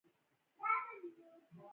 چهار برجک کلاګانې لري؟